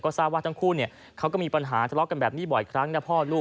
ทราบว่าทั้งคู่เขาก็มีปัญหาทะเลาะกันแบบนี้บ่อยครั้งนะพ่อลูก